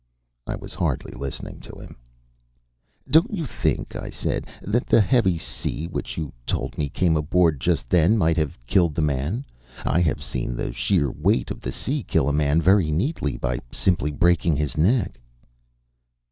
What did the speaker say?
I was hardly listening to him. "Don't you think," I said, "that the heavy sea which, you told me, came aboard just then might have killed the man? I have seen the sheer weight of a sea kill a man very neatly, by simply breaking his neck."